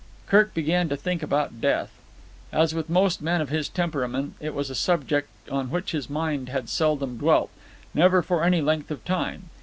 Kirk began to think about death. As with most men of his temperament, it was a subject on which his mind had seldom dwelt, never for any length of time.